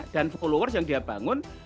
dan followers yang dia bangun